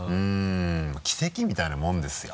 奇跡みたいなものですよ。